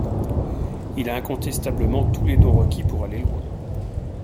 Il a incontestablement tous les dons requis pour aller loin.